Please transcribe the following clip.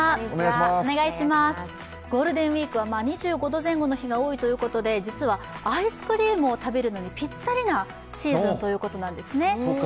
ゴールデンウイークは２５度前後の日が多いということで実は、アイスクリームを食べるのにぴったりなシーズンということなんですよね。